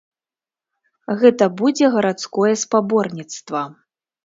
Гэта будзе гарадское спаборніцтва.